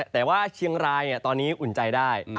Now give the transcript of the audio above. แต่ว่าเชียงรายตอนนี้อุ่นใจได้